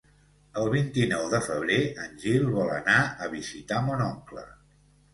El vint-i-nou de febrer en Gil vol anar a visitar mon oncle.